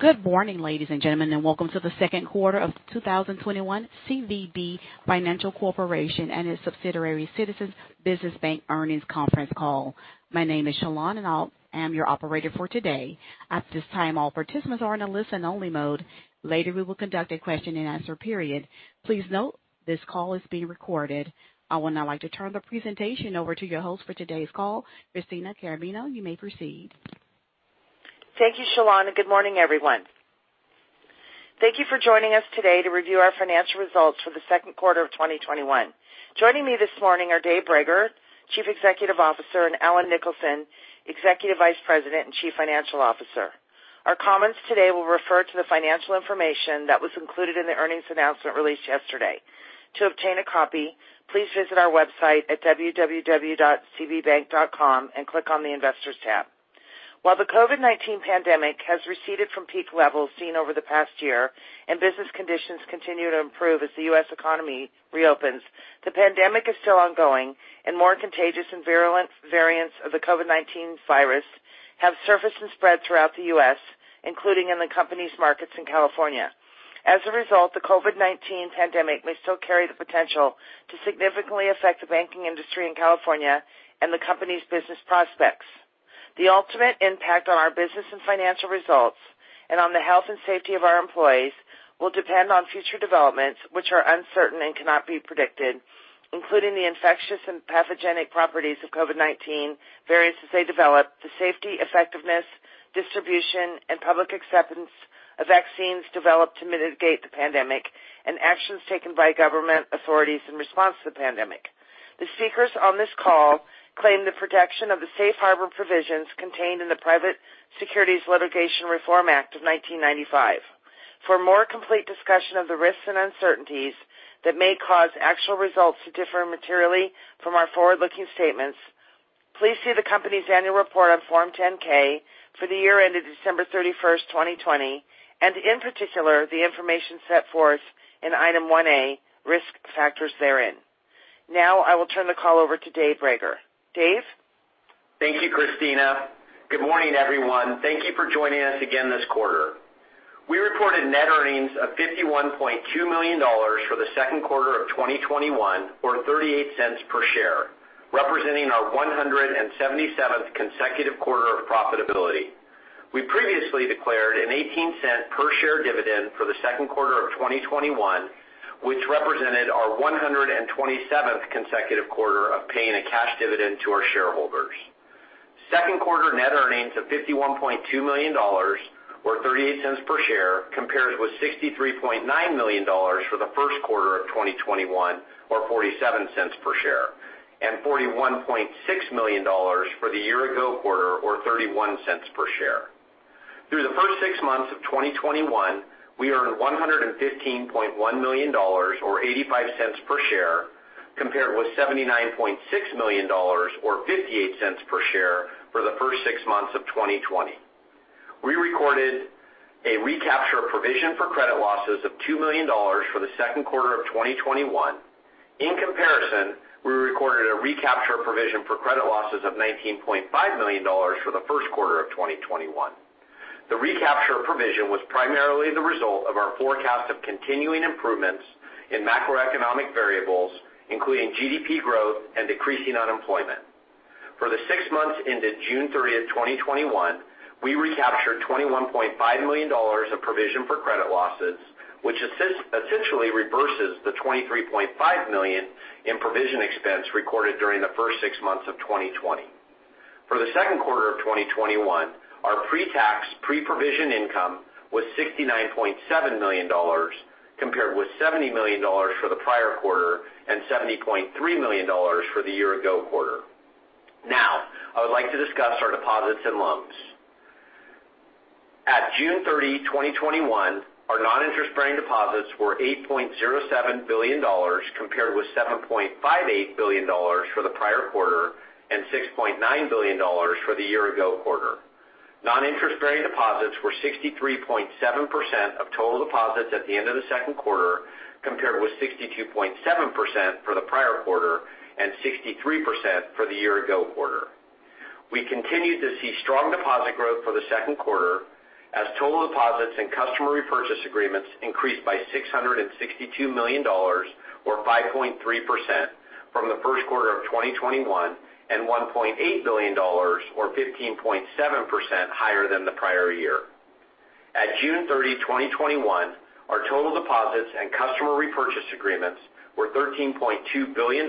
Good morning, ladies and gentlemen, and welcome to the Second Quarter of 2021 CVB Financial Corporation and its subsidiary Citizens Business Bank Earnings Conference Call. My name is Shalane, and I am your operator for today. At this time, all participants are in a listen-only mode. Later, we will conduct a question-and-answer period. Please note this call is being recorded. I would now like to turn the presentation over to your host for today's call, Christina Carrabino. You may proceed. Thank you, Shalane, and good morning, everyone. Thank you for joining us today to review our financial results for the second quarter of 2021. Joining me this morning are Dave Brager, Chief Executive Officer, and Allen Nicholson, Executive Vice President and Chief Financial Officer. Our comments today will refer to the financial information that was included in the earnings announcement released yesterday. To obtain a copy, please visit our website at www.cbbank.com and click on the Investors tab. While the COVID-19 pandemic has receded from peak levels seen over the past year and business conditions continue to improve as the U.S. economy reopens, the pandemic is still ongoing and more contagious and virulent variants of the COVID-19 virus have surfaced and spread throughout the U.S., including in the company's markets in California. As a result, the COVID-19 pandemic may still carry the potential to significantly affect the banking industry in California and the company's business prospects. The ultimate impact on our business and financial results and on the health and safety of our employees will depend on future developments, which are uncertain and cannot be predicted, including the infectious and pathogenic properties of COVID-19 variants as they develop, the safety, effectiveness, distribution, and public acceptance of vaccines developed to mitigate the pandemic, and actions taken by government authorities in response to the pandemic. The speakers on this call claim the protection of the Safe Harbor provisions contained in the Private Securities Litigation Reform Act of 1995. For a more complete discussion of the risks and uncertainties that may cause actual results to differ materially from our forward-looking statements, please see the company's annual report on Form 10-K for the year ended December 31st, 2020, and in particular, the information set forth in Item 1A Risk Factors therein. Now, I will turn the call over to Dave Brager. Dave? Thank you, Christina. Good morning, everyone. Thank you for joining us again this quarter. We reported net earnings of $51.2 million for the second quarter of 2021, or $0.38 per share, representing our 177th consecutive quarter of profitability. We previously declared an $0.18 per share dividend for the second quarter of 2021, which represented our 127th consecutive quarter of paying a cash dividend to our shareholders. Second quarter net earnings of $51.2 million or $0.38 per share compares with $63.9 million for the first quarter of 2021 or $0.47 per share, and $41.6 million for the year ago quarter or $0.31 per share. Through the first six months of 2021, we earned $115.1 million or $0.85 per share, compared with $79.6 million or $0.58 per share for the first six months of 2020. We recorded a recapture of provision for credit losses of $2 million for the second quarter of 2021. In comparison, we recorded a recapture of provision for credit losses of $19.5 million for the first quarter of 2021. The recapture of provision was primarily the result of our forecast of continuing improvements in macroeconomic variables, including GDP growth and decreasing unemployment. For the six months ended June 30th, 2021, we recaptured $21.5 million of provision for credit losses, which essentially reverses the $23.5 million in provision expense recorded during the first six months of 2020. For the second quarter of 2021, our pre-tax, pre-provision income was $69.7 million, compared with $70 million for the prior quarter and $70.3 million for the year ago quarter. I would like to discuss our deposits and loans. At June 30, 2021, our non-interest-bearing deposits were $8.07 billion, compared with $7.58 billion for the prior quarter and $6.9 billion for the year ago quarter. Non-interest-bearing deposits were 63.7% of total deposits at the end of the second quarter, compared with 62.7% for the prior quarter and 63% for the year ago quarter. We continued to see strong deposit growth for the second quarter as total deposits and customer repurchase agreements increased by $662 million or 5.3% from the first quarter of 2021 and $1.8 billion or 15.7% higher than the prior year. At June 30, 2021, our total deposits and customer repurchase agreements were $13.2 billion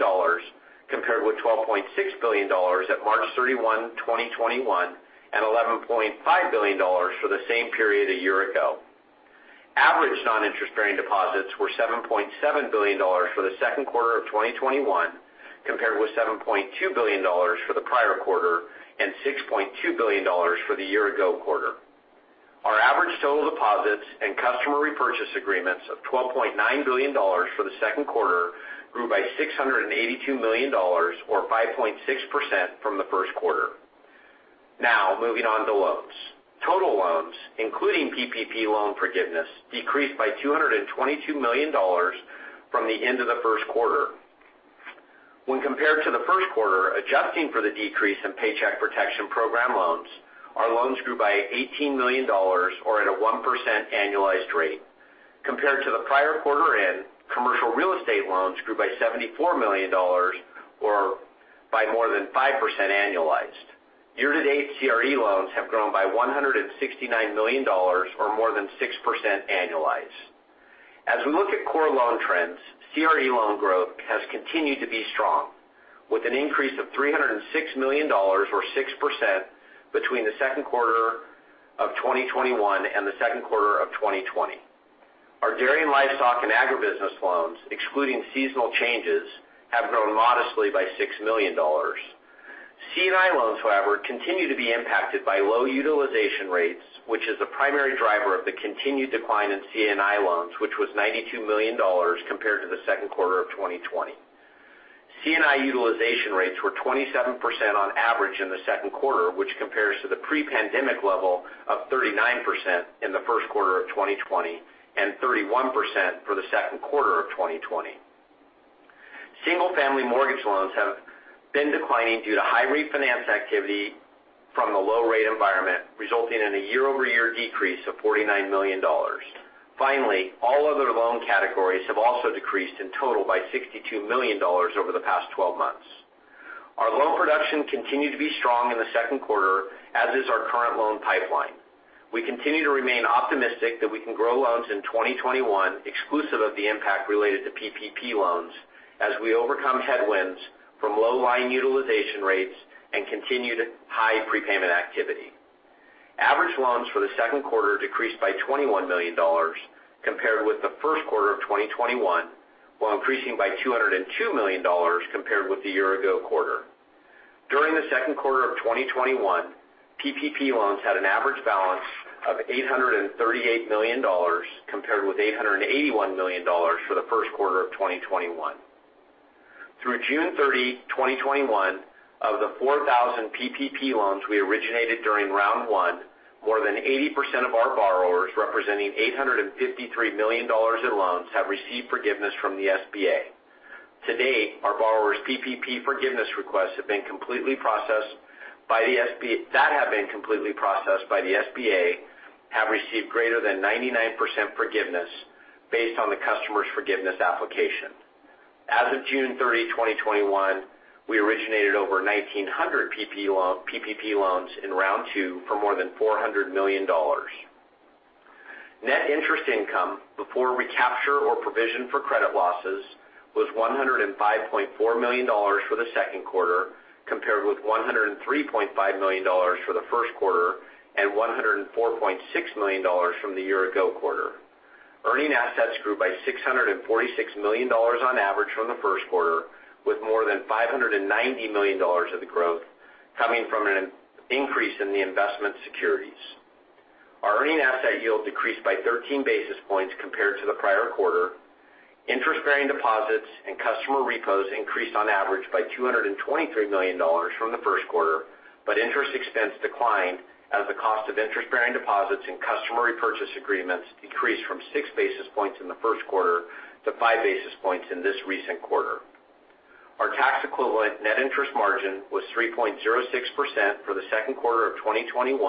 compared with $12.6 billion at March 31, 2021, and $11.5 billion for the same period a year ago. Average non-interest-bearing deposits were $7.7 billion for the second quarter of 2021, compared with $7.2 billion for the prior quarter and $6.2 billion for the year ago quarter. Our average total deposits and customer repurchase agreements of $12.9 billion for the second quarter grew by $682 million or 5.6% from the first quarter. Moving on to loans. Total loans, including PPP loan forgiveness, decreased by $222 million from the end of the first quarter. When compared to the first quarter, adjusting for the decrease in Paycheck Protection Program loans, our loans grew by $18 million or at a 1% annualized rate. Compared to the prior quarter end, commercial real estate loans grew by $74 million or by more than 5% annualized. Year-to-date, CRE loans have grown by $169 million or more than 6% annualized. As we look at core loan trends, CRE loan growth has continued to be strong, with an increase of $306 million or 6% between the second quarter of 2021 and the second quarter of 2020. Our dairy, livestock, and agribusiness loans, excluding seasonal changes, have grown modestly by $6 million. C&I loans, however, continue to be impacted by low utilization rates, which is the primary driver of the continued decline in C&I loans, which was $92 million compared to the second quarter of 2020. C&I utilization rates were 27% on average in the second quarter, which compares to the pre-pandemic level of 39% in the first quarter of 2020 and 31% for the second quarter of 2020. Single-family mortgage loans have been declining due to high refinance activity from the low-rate environment, resulting in a year-over-year decrease of $49 million. Finally, all other loan categories have also decreased in total by $62 million over the past 12 months. Our loan production continued to be strong in the second quarter, as is our current loan pipeline. We continue to remain optimistic that we can grow loans in 2021 exclusive of the impact related to PPP loans as we overcome headwinds from low line utilization rates and continued high prepayment activity. Average loans for the second quarter decreased by $21 million compared with the first quarter of 2021, while increasing by $202 million compared with the year-ago quarter. During the second quarter of 2021, PPP loans had an average balance of $838 million compared with $881 million for the first quarter of 2021. Through June 30, 2021, of the 4,000 PPP loans we originated during round one, more than 80% of our borrowers, representing $853 million in loans, have received forgiveness from the SBA. To date, our borrowers' PPP forgiveness requests that have been completely processed by the SBA have received greater than 99% forgiveness based on the customer's forgiveness application. As of June 30, 2021, we originated over 1,900 PPP loans in round two for more than $400 million. Net interest income before recapture or provision for credit losses was $105.4 million for the second quarter, compared with $103.5 million for the first quarter and $104.6 million from the year-ago quarter. Earning assets grew by $646 million on average from the first quarter, with more than $590 million of the growth coming from an increase in the investment securities. Our earning asset yield decreased by 13 basis points compared to the prior quarter. Interest-bearing deposits and customer repos increased on average by $223 million from the first quarter, but interest expense declined as the cost of interest-bearing deposits and customer repurchase agreements decreased from 6 basis points in the first quarter to 5 basis points in this recent quarter. Our tax-equivalent net interest margin was 3.06% for the second quarter of 2021,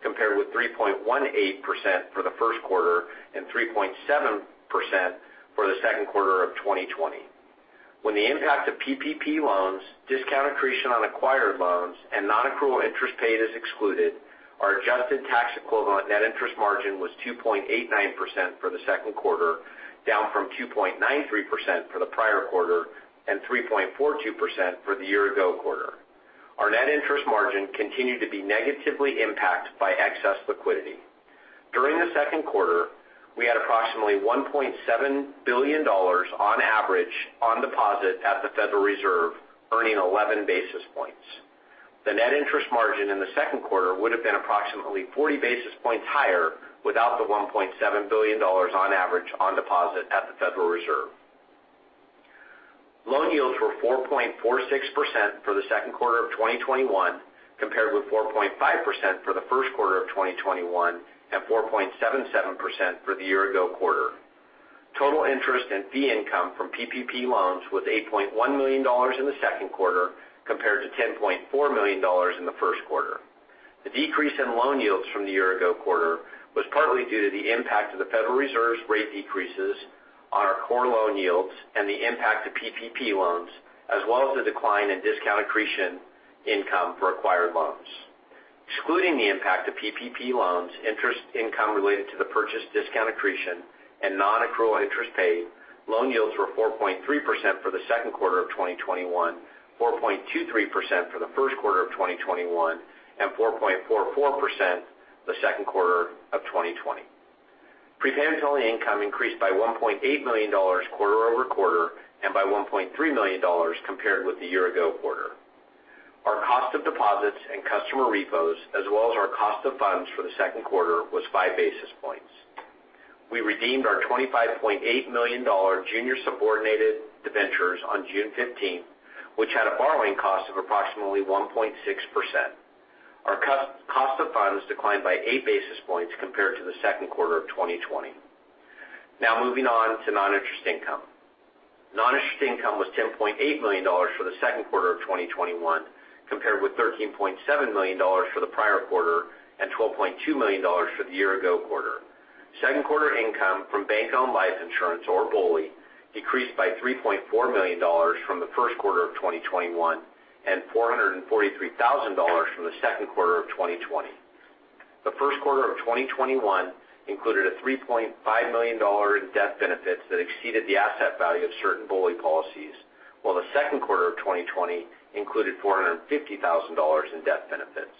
compared with 3.18% for the first quarter and 3.7% for the second quarter of 2020. When the impact of PPP loans, discount accretion on acquired loans, and non-accrual interest paid is excluded, our adjusted tax-equivalent net interest margin was 2.89% for the second quarter, down from 2.93% for the prior quarter and 3.42% for the year-ago quarter. Our net interest margin continued to be negatively impacted by excess liquidity. During the second quarter, we had approximately $1.7 billion on average on deposit at the Federal Reserve, earning 11 basis points. The net interest margin in the second quarter would have been approximately 40 basis points higher without the $1.7 billion on average on deposit at the Federal Reserve. Loan yields were 4.46% for the second quarter of 2021, compared with 4.5% for the first quarter of 2021 and 4.77% for the year-ago quarter. Total interest and fee income from PPP loans was $8.1 million in the second quarter, compared to $10.4 million in the first quarter. The decrease in loan yields from the year-ago quarter was partly due to the impact of the Federal Reserve's rate decreases on our core loan yields and the impact of PPP loans, as well as the decline in discount accretion income for acquired loans. Excluding the impact of PPP loans, interest income related to the purchase discount accretion, and non-accrual interest paid, loan yields were 4.3% for the second quarter of 2021, 4.23% for the first quarter of 2021, and 4.44% the second quarter of 2020. Prepayment penalty income increased by $1.8 million quarter-over-quarter and by $1.3 million compared with the year-ago quarter. Our cost of deposits and customer repos, as well as our cost of funds for the second quarter, was 5 basis points. We redeemed our $25.8 million junior subordinated debentures on June 15th, 2021, which had a borrowing cost of approximately 1.6%. Our cost of funds declined by eight basis points compared to the second quarter of 2020. Now moving on to non-interest income. Non-interest income was $10.8 million for the second quarter of 2021, compared with $13.7 million for the prior quarter and $12.2 million for the year-ago quarter. Second quarter income from bank-owned life insurance, or BOLI, decreased by $3.4 million from the first quarter of 2021, and $443,000 from the second quarter of 2020. The first quarter of 2021 included a $3.5 million in death benefits that exceeded the asset value of certain BOLI policies, while the second quarter of 2020 included $450,000 in death benefits.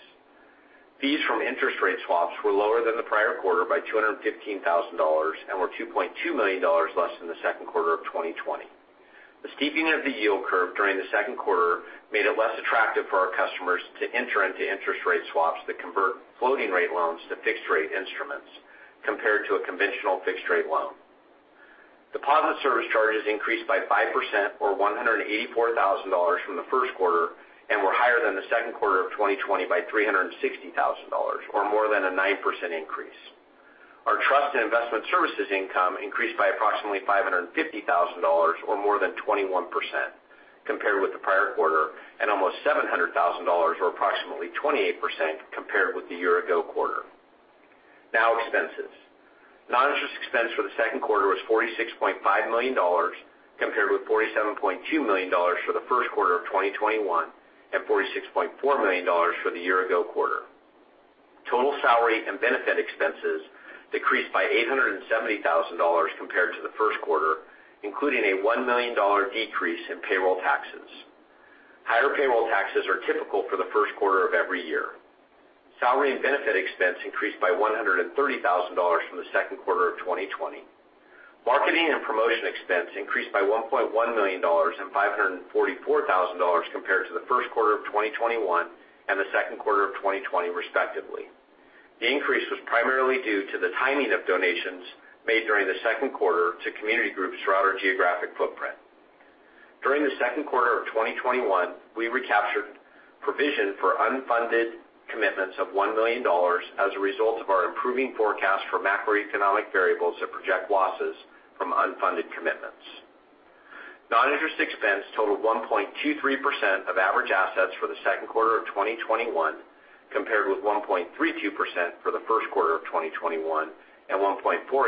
Fees from interest rate swaps were lower than the prior quarter by $215,000 and were $2.2 million less than the second quarter of 2020. The steepening of the yield curve during the second quarter made it less attractive for our customers to enter into interest rate swaps that convert floating rate loans to fixed rate instruments compared to a conventional fixed rate loan. Deposit service charges increased by 5% or $184,000 from the first quarter and were higher than the second quarter of 2020 by $360,000, or more than a 9% increase. Our trust and investment services income increased by approximately $550,000 or more than 21% compared with the prior quarter and almost $700,000 or approximately 28% compared with the year ago quarter. Now expenses. Non-interest expense for the second quarter was $46.5 million, compared with $47.2 million for the first quarter of 2021, and $46.4 million for the year ago quarter. Total salary and benefit expenses decreased by $870,000 compared to the first quarter, including a $1 million decrease in payroll taxes. Higher payroll taxes are typical for the first quarter of every year. Salary and benefit expense increased by $130,000 from the second quarter of 2020. Marketing and promotion expense increased by $1.1 million and $544,000 compared to the first quarter of 2021 and the second quarter of 2020 respectively. The increase was primarily due to the timing of donations made during the second quarter to community groups throughout our geographic footprint. During the second quarter of 2021, we recaptured provision for unfunded commitments of $1 million as a result of our improving forecast for macroeconomic variables that project losses from unfunded commitments. Non-interest expense totaled 1.23% of average assets for the second quarter of 2021, compared with 1.32% for the first quarter of 2021, and 1.48% for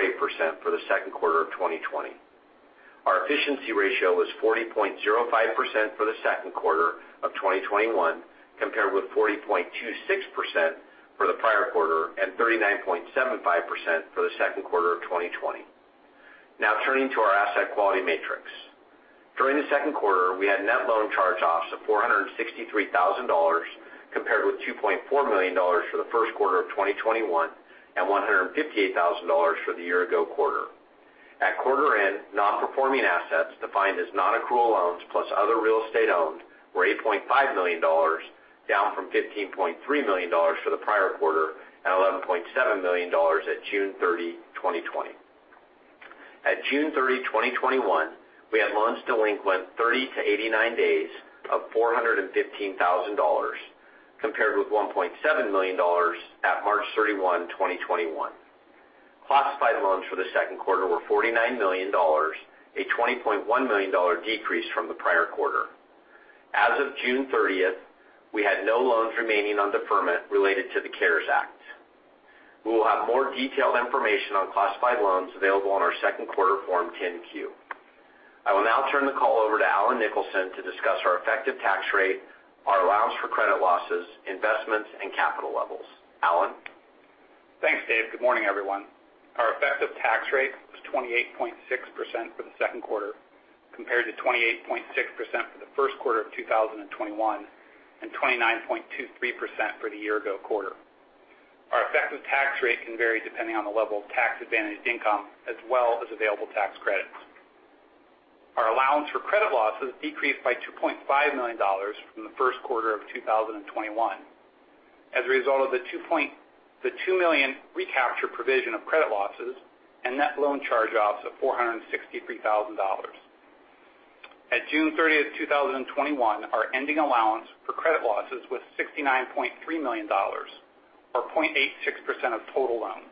the second quarter of 2020. Our efficiency ratio was 40.05% for the second quarter of 2021, compared with 40.26% for the prior quarter, and 39.75% for the second quarter of 2020. Now turning to our asset quality metrics. During the second quarter, we had net loan charge-offs of $463,000 compared with $2.4 million for the first quarter of 2021 and $158,000 for the year ago quarter. At quarter end, non-performing assets defined as non-accrual loans plus other real estate owned were $8.5 million, down from $15.3 million for the prior quarter and $11.7 million at June 30, 2020. At June 30, 2021, we had loans delinquent 30 to 89 days of $415,000, compared with $1.7 million at March 31, 2021. Classified loans for the second quarter were $49 million, a $20.1 million decrease from the prior quarter. As of June 30th, 2021 we had no loans remaining on deferment related to the CARES Act. We will have more detailed information on classified loans available on our second quarter Form 10-Q. I will now turn the call over to Allen Nicholson to discuss our effective tax rate, our allowance for credit losses, investments, and capital levels. Allen? Thanks, Dave. Good morning, everyone. Our effective tax rate was 28.6% for the second quarter, compared to 28.6% for the first quarter of 2021 and 29.23% for the year ago quarter. Our effective tax rate can vary depending on the level of tax-advantaged income as well as available tax credits. Our allowance for credit losses decreased by $2.5 million from the first quarter of 2021 as a result of the $2 million recapture provision of credit losses and net loan charge-offs of $463,000. At June 30th, 2021, our ending allowance for credit losses was $69.3 million, or 0.86% of total loans.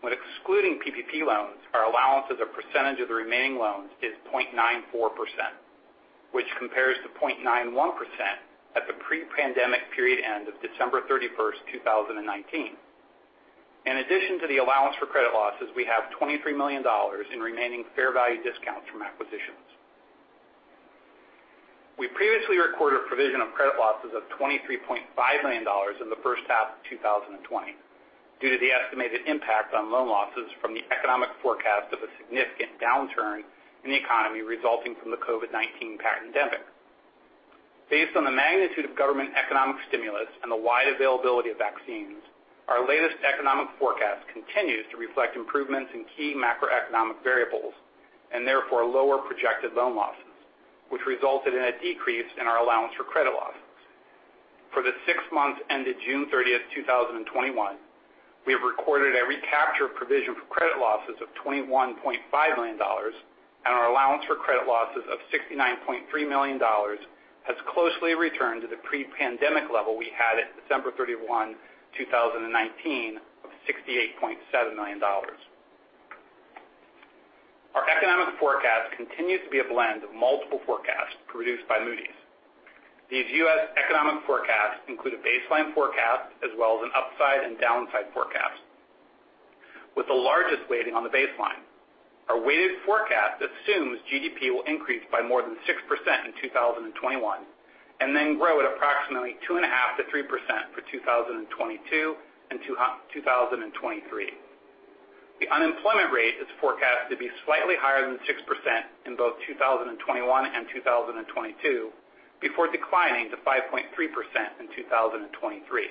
When excluding PPP loans, our allowance as a percentage of the remaining loans is 0.94%, which compares to 0.91% at the pre-pandemic period end of December 31st, 2019. In addition to the allowance for credit losses, we have $23 million in remaining fair value discounts from acquisitions. We previously recorded a provision of credit losses of $23.5 million in the first half of 2020 due to the estimated impact on loan losses from the economic forecast of a significant downturn in the economy resulting from the COVID-19 pandemic. Based on the magnitude of government economic stimulus and the wide availability of vaccines, our latest economic forecast continues to reflect improvements in key macroeconomic variables and therefore lower projected loan losses, which resulted in a decrease in our allowance for credit losses. For the six months ended June 30th, 2021, we have recorded a recapture provision for credit losses of $21.5 million. Our allowance for credit losses of $69.3 million has closely returned to the pre-pandemic level we had at December 31, 2019, of $68.7 million. Our economic forecast continues to be a blend of multiple forecasts produced by Moody's. These U.S. economic forecasts include a baseline forecast as well as an upside and downside forecast, with the largest weighting on the baseline. Our weighted forecast assumes GDP will increase by more than 6% in 2021 and then grow at approximately 2.5%-3% for 2022 and 2023. The unemployment rate is forecast to be slightly higher than 6% in both 2021 and 2022, before declining to 5.3% in 2023.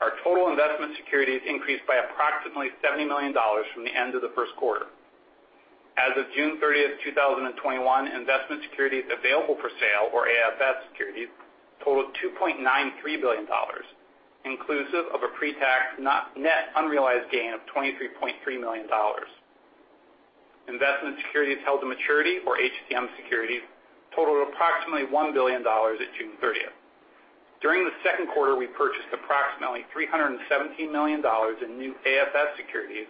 Our total investment securities increased by approximately $70 million from the end of the first quarter. As of June 30th, 2021, investment securities available for sale or AFS securities totaled $2.93 billion, inclusive of a pre-tax net unrealized gain of $23.3 million. Investment securities held to maturity or HTM securities totaled approximately $1 billion at June 30th, 2021. During the second quarter, we purchased approximately $317 million in new AFS securities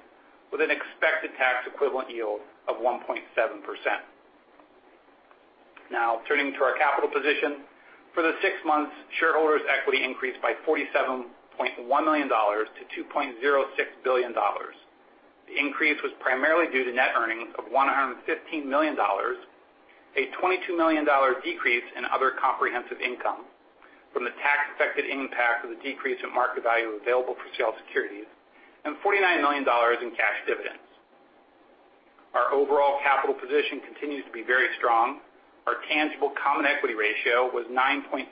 with an expected tax equivalent yield of 1.7%. Turning to our capital position. For the six months, shareholders' equity increased by $47.1 million to $2.06 billion. The increase was primarily due to net earnings of $115 million, a $22 million decrease in other comprehensive income from the tax-affected impact of the decrease in market value available for sale securities, and $49 million in cash dividends. Our overall capital position continues to be very strong. Our tangible common equity ratio was 9.2%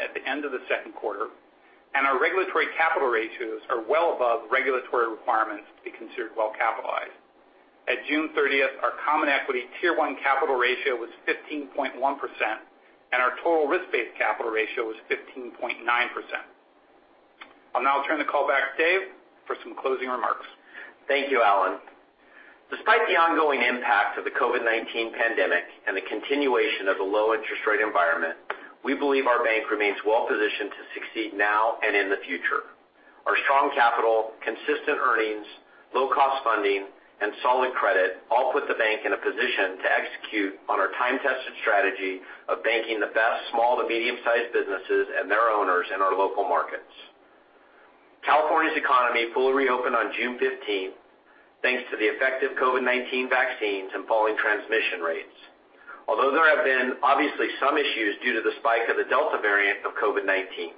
at the end of the second quarter, and our regulatory capital ratios are well above regulatory requirements to be considered well-capitalized. At June 30th, 2021 our common equity Tier 1 capital ratio was 15.1%, and our total risk-based capital ratio was 15.9%. I'll now turn the call back to Dave for some closing remarks. Thank you, Allen. Despite the ongoing impact of the COVID-19 pandemic and the continuation of the low interest rate environment, we believe our bank remains well-positioned to succeed now and in the future. Our strong capital, consistent earnings, low-cost funding, and solid credit all put the bank in a position to execute on our time-tested strategy of banking the best small to medium-sized businesses and their owners in our local markets. California's economy fully reopened on June 15th, 2021 thanks to the effective COVID-19 vaccines and falling transmission rates. There have been obviously some issues due to the spike of the Delta variant of COVID-19.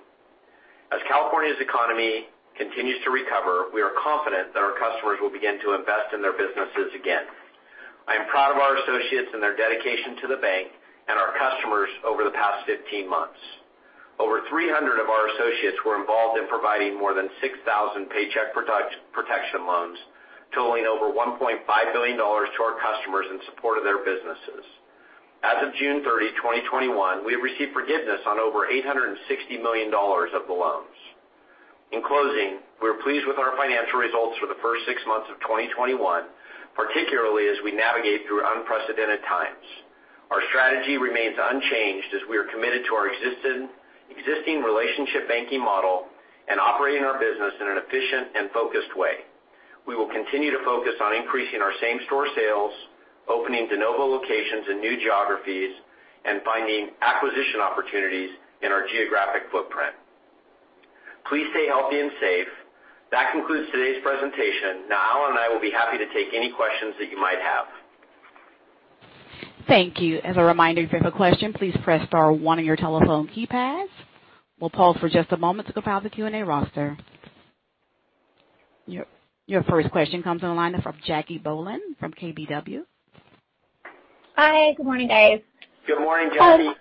As California's economy continues to recover, we are confident that our customers will begin to invest in their businesses again. I am proud of our associates and their dedication to the bank and our customers over the past 15 months. Over 300 of our associates were involved in providing more than 6,000 Paycheck Protection Program loans, totaling over $1.5 billion to our customers in support of their businesses. As of June 30, 2021, we have received forgiveness on over $860 million of the loans. In closing, we are pleased with our financial results for the first six months of 2021, particularly as we navigate through unprecedented times. Our strategy remains unchanged as we are committed to our existing relationship banking model and operating our business in an efficient and focused way. We will continue to focus on increasing our same-store sales, opening de novo locations in new geographies, and finding acquisition opportunities in our geographic footprint. Please stay healthy and safe. That concludes today's presentation. Now, Allen and I will be happy to take any questions that you might have. Thank you. As a reminder, if you have a question, please press star one on your telephone keypads. We'll pause for just a moment to compile the Q&A roster. Your first question comes on the line from Jacque Bohlen from KBW. Hi, good morning, guys. Good morning, Jacque. I'm going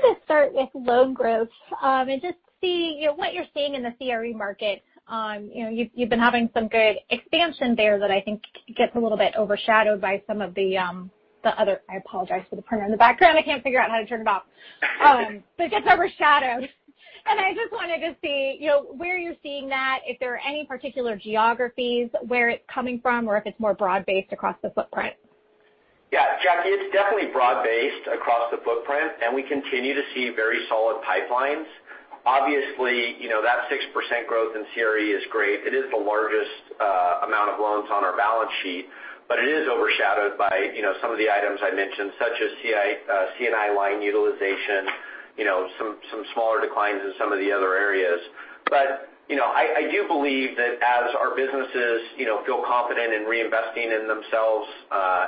to just start with loan growth, and just see what you're seeing in the CRE market. You've been having some good expansion there that I think gets a little bit overshadowed. I apologize for the printer in the background. I can't figure out how to turn it off. It gets overshadowed. I just wanted to see where you're seeing that, if there are any particular geographies where it's coming from or if it's more broad-based across the footprint. Jacque, it's definitely broad-based across the footprint, and we continue to see very solid pipelines. Obviously, that 6% growth in CRE is great. It is the largest amount of loans on our balance sheet. It is overshadowed by some of the items I mentioned, such as C&I line utilization, some smaller declines in some of the other areas. I do believe that as our businesses feel confident in reinvesting in themselves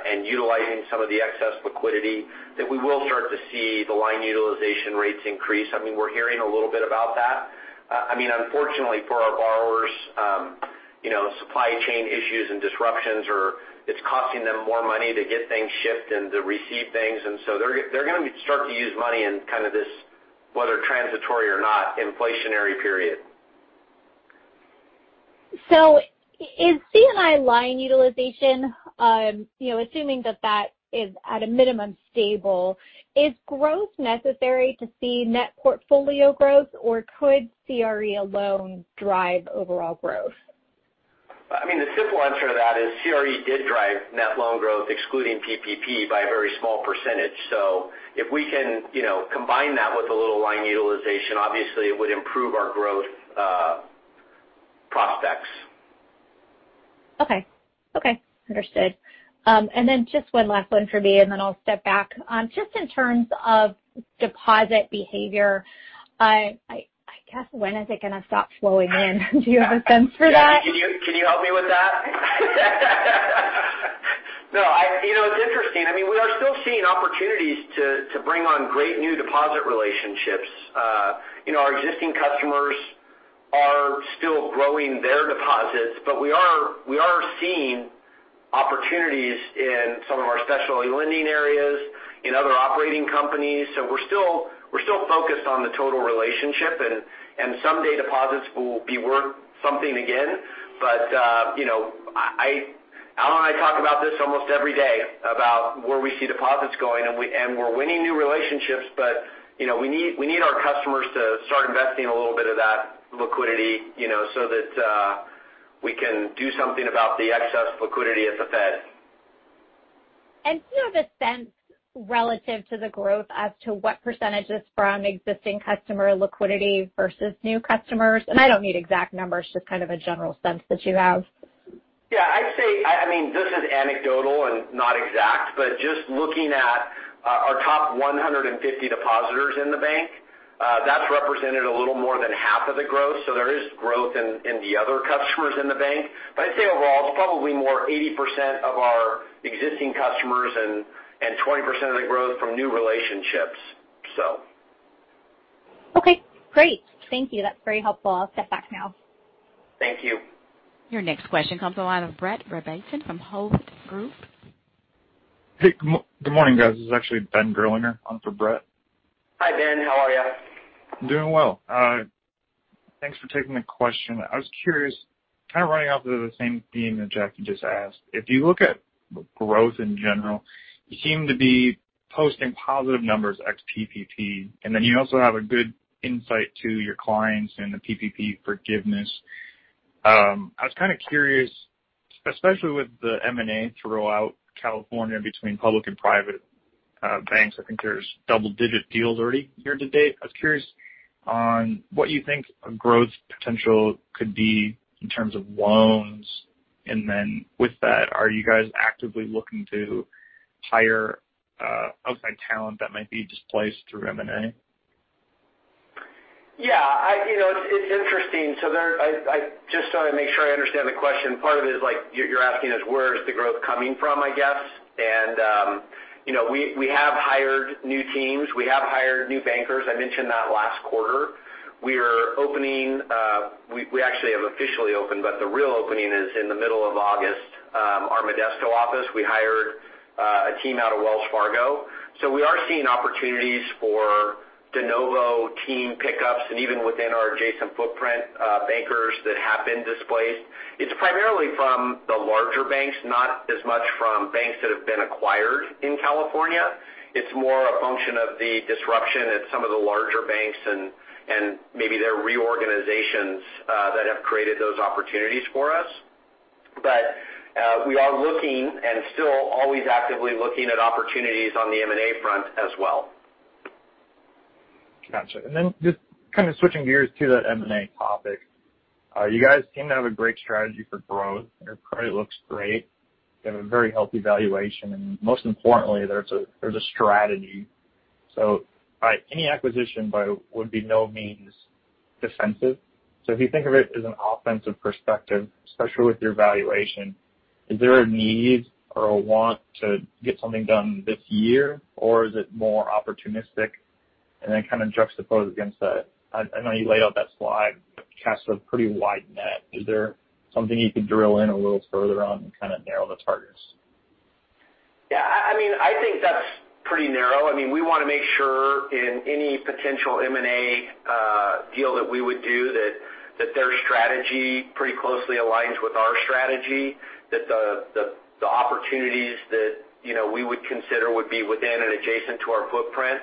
and utilizing some of the excess liquidity, that we will start to see the line utilization rates increase. I mean, we're hearing a little bit about that. Unfortunately for our borrowers, supply chain issues and disruptions, it's costing them more money to get things shipped and to receive things. They're going to start to use money in kind of this, whether transitory or not, inflationary period. Is C&I line utilization, assuming that that is at a minimum stable, is growth necessary to see net portfolio growth, or could CRE alone drive overall growth? The simple answer to that is CRE did drive net loan growth, excluding PPP by a very small %. If we can combine that with a little line utilization, obviously it would improve our growth prospects. Okay. Understood. Then just one last one for me, then I'll step back. Just in terms of deposit behavior, I guess, when is it going to stop flowing in? Do you have a sense for that? Yeah. Can you help me with that? No. It's interesting. We are still seeing opportunities to bring on great new deposit relationships. Our existing customers are still growing their deposits, but we are seeing opportunities in some of our specialty lending areas, in other operating companies. We're still focused on the total relationship, and someday deposits will be worth something again. Allen and I talk about this almost every day, about where we see deposits going, and we're winning new relationships, but we need our customers to start investing a little bit of that liquidity, so that we can do something about the excess liquidity at the FED. Do you have a sense relative to the growth as to what percentage is from existing customer liquidity versus new customers? I don't need exact numbers, just kind of a general sense that you have. Yeah. This is anecdotal and not exact. Just looking at our top 150 depositors in the bank, that's represented a little more than half of the growth. There is growth in the other customers in the bank. I'd say overall, it's probably more 80% of our existing customers and 20% of the growth from new relationships. Okay, great. Thank you. That's very helpful. I'll step back now. Thank you. Your next question comes on the line of Brett Rabatin from Hovde Group. Hey, good morning, guys. This is actually Ben Gerlinger on for Brett. Hi, Ben. How are you? I'm doing well. Thanks for taking the question. I was curious, kind of running off of the same theme that Jacque just asked. If you look at growth in general, you seem to be posting positive numbers ex PPP, and then you also have a good insight to your clients and the PPP forgiveness. I was kind of curious, especially with the M&A throughout California between public and private banks, I think there's double-digit deals already year-to-date. I was curious on what you think a growth potential could be in terms of loans. With that, are you guys actively looking to hire outside talent that might be displaced through M&A? Yeah. It's interesting. Just so I make sure I understand the question, part of it is you're asking us where is the growth coming from, I guess. We have hired new teams. We have hired new bankers. I mentioned that last quarter. We actually have officially opened, but the real opening is in the middle of August, our Modesto office. We hired a team out of Wells Fargo. We are seeing opportunities for de novo team pickups and even within our adjacent footprint, bankers that have been displaced. It's primarily from the larger banks, not as much from banks that have been acquired in California. It's more a function of the disruption at some of the larger banks and maybe their reorganizations that have created those opportunities for us. We are looking and still always actively looking at opportunities on the M&A front as well. Got you. Just kind of switching gears to that M&A topic. You guys seem to have a great strategy for growth. Your credit looks great. You have a very healthy valuation, and most importantly, there's a strategy. Any acquisition by would be no means defensive. If you think of it as an offensive perspective, especially with your valuation, is there a need or a want to get something done this year, or is it more opportunistic? Kind of juxtapose against that. I know you laid out that slide, cast a pretty wide net. Is there something you could drill in a little further on and kind of narrow the targets? Yeah. I think that's pretty narrow. We want to make sure in any potential M&A deal that we would do that their strategy pretty closely aligns with our strategy, that the opportunities that we would consider would be within and adjacent to our footprint.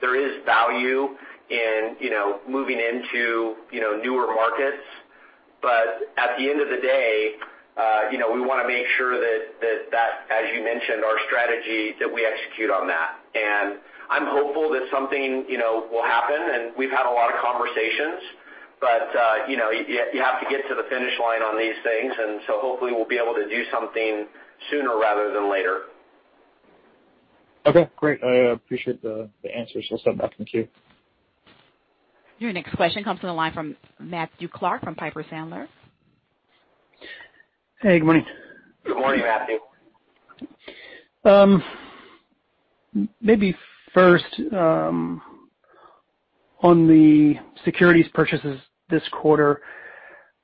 There is value in moving into newer markets. At the end of the day, we want to make sure that, as you mentioned, our strategy, that we execute on that. I'm hopeful that something will happen, and we've had a lot of conversations, but you have to get to the finish line on these things, and so hopefully we'll be able to do something sooner rather than later. Okay, great. I appreciate the answers. I'll step back in the queue. Your next question comes from the line from Matthew Clark from Piper Sandler. Hey, good morning. Good morning, Matthew. Maybe first, on the securities purchases this quarter,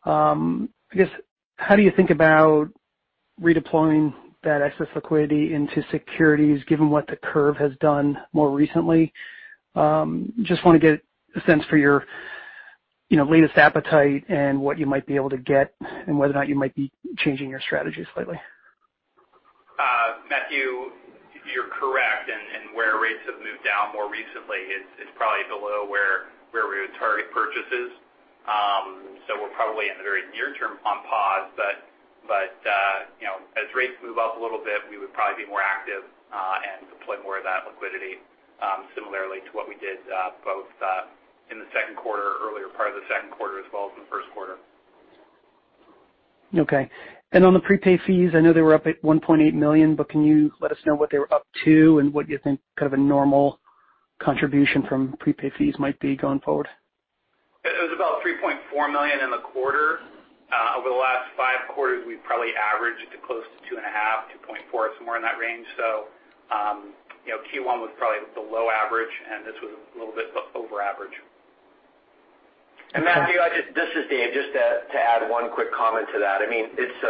I guess how do you think about redeploying that excess liquidity into securities given what the curve has done more recently? Just want to get a sense for your latest appetite and what you might be able to get and whether or not you might be changing your strategy slightly. Matthew, you're correct in where rates have moved down more recently. It's probably below where we would target purchases. We're probably in the very near term on pause, but as rates move up a little bit, we would probably be more active and deploy more of that liquidity, similarly to what we did both in the second quarter, earlier part of the second quarter, as well as in the first quarter. Okay. On the prepaid fees, I know they were up at $1.8 million, but can you let us know what they were up to and what you think kind of a normal contribution from prepaid fees might be going forward? It was about $3.4 million in the quarter. Over the last five quarters, we probably averaged close to $2.5 million, $2.4 million, somewhere in that range. Q1 was probably the low average, and this was a little bit over average. Matthew, this is Dave. Just to add one quick comment to that. It's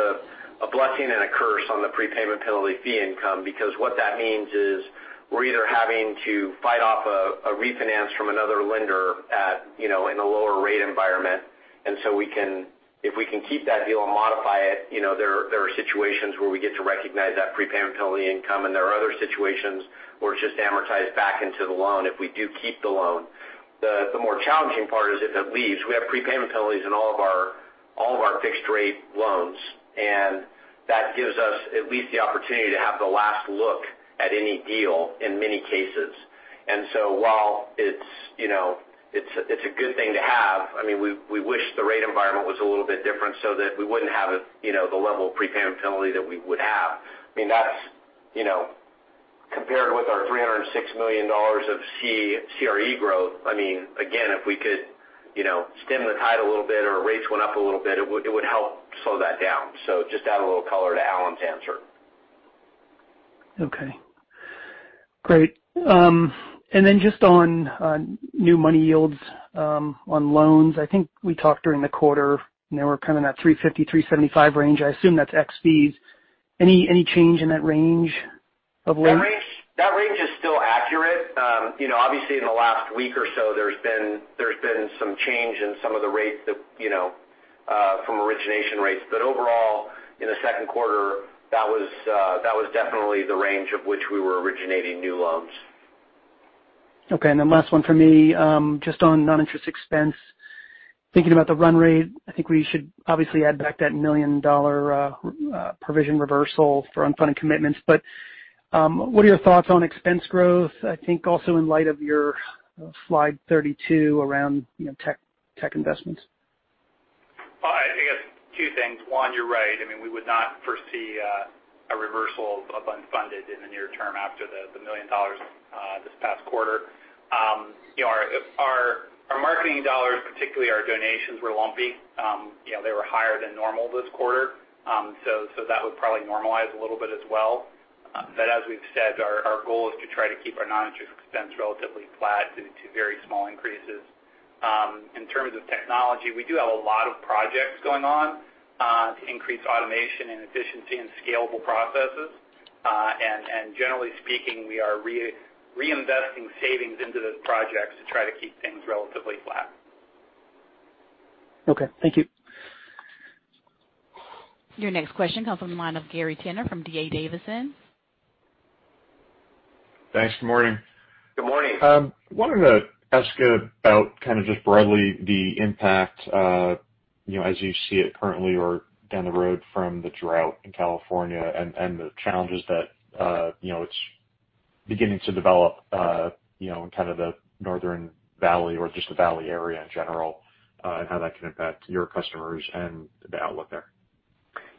a blessing and a curse on the prepayment penalty fee income because what that means is we're either having to fight off a refinance from another lender in a lower rate environment. If we can keep that deal and modify it, there are situations where we get to recognize that prepayment penalty income, and there are other situations where it's just amortized back into the loan if we do keep the loan. The more challenging part is if it leaves. We have prepayment penalties in all of our fixed-rate loans, and that gives us at least the opportunity to have the last look at any deal in many cases. While it's a good thing to have, we wish the rate environment was a little bit different so that we wouldn't have the level of prepayment penalty that we would have. Compared with our $306 million of CRE growth, again, if we could stem the tide a little bit or rates went up a little bit, it would help slow that down. Just to add a little color to Allen's answer. Okay. Great. Then just on new money yields on loans. I think we talked during the quarter, and they were kind of in that 350-375 range. I assume that's bps. Any change in that range of loans? That range is still accurate. Obviously, in the last week or so, there's been some change in some of the rates from origination rates. Overall, in the second quarter, that was definitely the range of which we were originating new loans. Okay. Last one from me, just on non-interest expense. Thinking about the run rate, I think we should obviously add back that million dollar provision reversal for unfunded commitments. What are your thoughts on expense growth? I think also in light of your slide 32 around tech investments. I think it's two things. One, you're right. We would not foresee a reversal of unfunded in the near term after the million dollar this past quarter. Our marketing dollars, particularly our donations, were lumpy. They were higher than normal this quarter. That would probably normalize a little bit as well. As we've said, our goal is to try to keep our non-interest expense relatively flat to very small increases. In terms of technology, we do have a lot of projects going on to increase automation and efficiency and scalable processes. Generally speaking, we are reinvesting savings into those projects to try to keep things relatively flat. Okay. Thank you. Your next question comes from the line of Gary Tenner from D.A. Davidson. Thanks. Good morning. Good morning. Wanted to ask about kind of just broadly the impact, as you see it currently or down the road from the drought in California and the challenges that it's beginning to develop in kind of the Northern Valley or just the Valley area in general, and how that can impact your customers and the outlook there.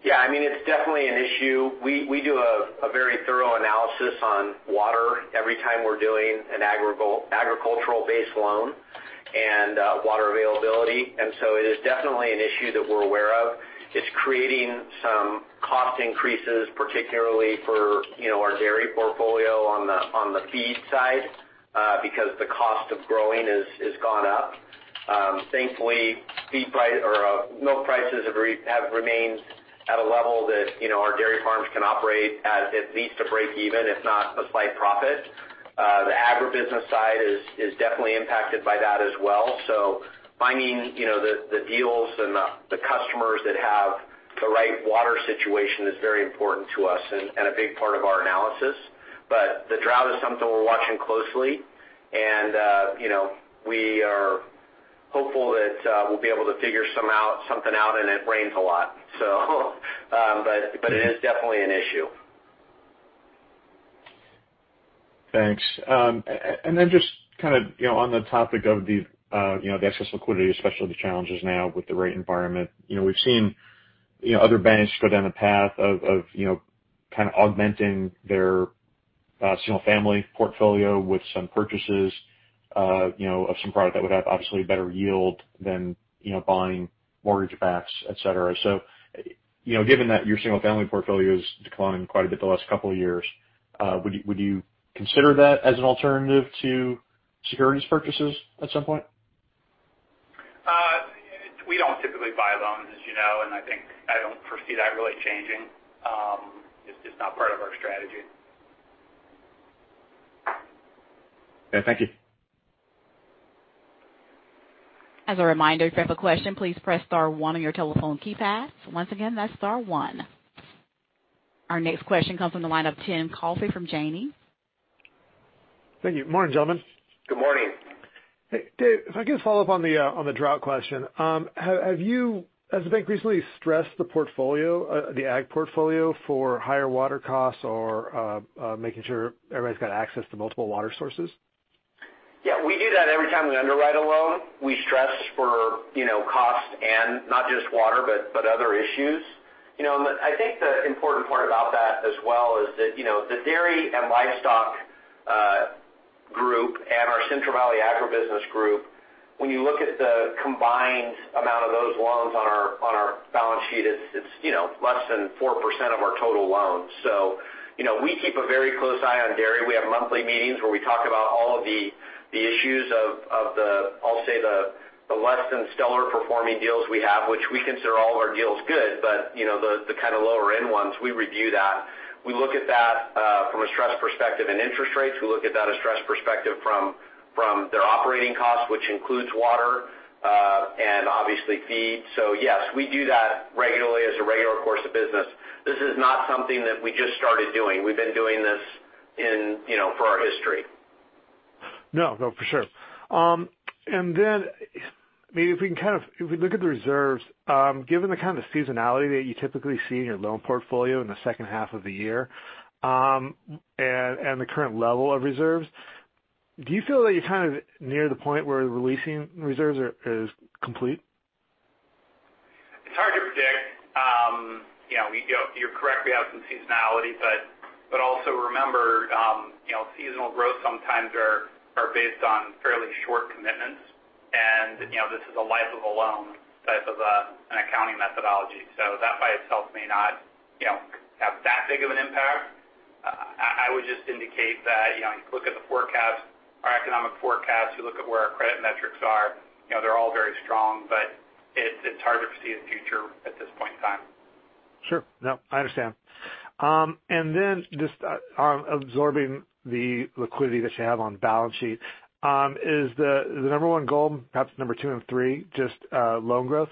Yeah. It's definitely an issue. We do a very thorough analysis on water every time we're doing an agricultural-based loan and water availability. It is definitely an issue that we're aware of. It's creating some cost increases, particularly for our dairy portfolio on the feed side because the cost of growing has gone up. Thankfully, milk prices have remained at a level that our dairy farms can operate at at least a break even, if not a slight profit. The agribusiness side is definitely impacted by that as well. Finding the deals and the customers that have the right water situation is very important to us and a big part of our analysis. The drought is something we're watching closely, and we are hopeful that we'll be able to figure something out, and it rains a lot. It is definitely an issue. Thanks. Just kind of on the topic of the excess liquidity, especially the challenges now with the rate environment. We've seen other banks go down the path of kind of augmenting their single-family portfolio with some purchases of some product that would have obviously a better yield than buying mortgage backs, et cetera. Given that your single-family portfolio is declining quite a bit the last couple of years, would you consider that as an alternative to securities purchases at some point? We don't typically buy loans, as you know, and I don't foresee that really changing. It's just not part of our strategy. Yeah, thank you. As a reminder, if you have a question, please press star one on your telephone keypad. Once again, that's star one. Our next question comes from the line of Tim Coffey from Janney. Thank you. Morning, gentlemen. Good morning. Hey, Dave, if I could follow up on the drought question. Has the bank recently stressed the ag portfolio for higher water costs or making sure everybody's got access to multiple water sources? Yeah, we do that every time we underwrite a loan. We stress for cost and not just water, but other issues. I think the important part about that as well is that the dairy and livestock group and our Central Valley Agribusiness Group, when you look at the combined amount of those loans on our balance sheet, it's less than 4% of our total loans. We keep a very close eye on dairy. We have monthly meetings where we talk about all of the issues of the, I'll say, the less than stellar performing deals we have. Which we consider all of our deals good, but the kind of lower-end ones, we review that. We look at that from a stress perspective and interest rates. We look at that, a stress perspective from their operating costs, which includes water and obviously feed. Yes, we do that regularly as a regular course of business. This is not something that we just started doing. We've been doing this for our history. No, for sure. Maybe if we look at the reserves, given the kind of seasonality that you typically see in your loan portfolio in the second half of the year and the current level of reserves, do you feel that you're kind of near the point where releasing reserves is complete? It's hard to predict. You're correct, we have some seasonality, but also remember, seasonal growth sometimes are based on fairly short commitments, and this is a life of a loan type of an accounting methodology. That by itself may not have that big of an impact. I would just indicate that you look at the forecast, our economic forecast, you look at where our credit metrics are, they're all very strong, but it's harder to see the future at this point in time. Sure. No, I understand. Just on absorbing the liquidity that you have on balance sheet, is the number one goal, perhaps number two and three, just loan growth?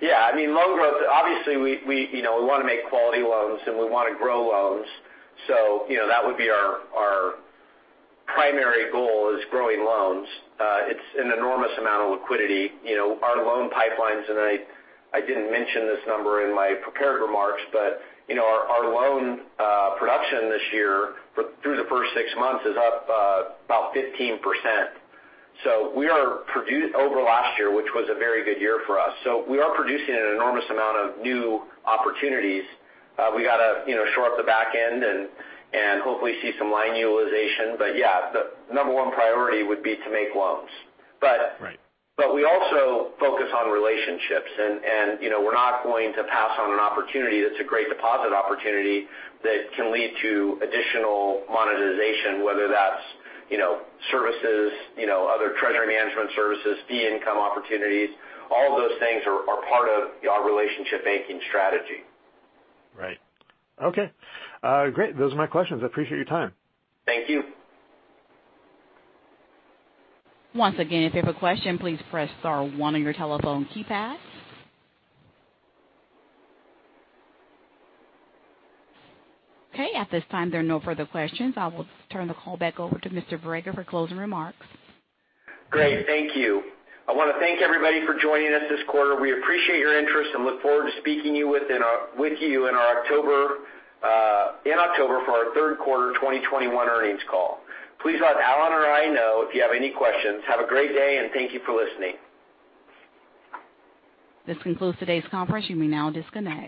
Yeah. I mean, loan growth, obviously, we want to make quality loans and we want to grow loans. That would be our primary goal is growing loans. It's an enormous amount of liquidity. Our loan pipelines, and I didn't mention this number in my prepared remarks, but our loan production this year through the first six months is up about 15%. Over last year, which was a very good year for us. We are producing an enormous amount of new opportunities. We got to shore up the back end and hopefully see some line utilization. Yeah, the number one priority would be to make loans. Right. We also focus on relationships, and we're not going to pass on an opportunity that's a great deposit opportunity that can lead to additional monetization, whether that's services, other treasury management services, fee income opportunities. All of those things are part of our relationship banking strategy. Right. Okay great. Those are my questions. I appreciate your time. Thank you. Once again, if you have a question, please press star one on your telephone keypad. Okay, at this time, there are no further questions. I will turn the call back over to Mr. Brager for closing remarks. Great. Thank you. I want to thank everybody for joining us this quarter. We appreciate your interest and look forward to speaking with you in October for our Third Quarter 2021 Earnings Call. Please let Allen or I know if you have any questions. Have a great day, and thank you for listening. This concludes today's conference. You may now disconnect.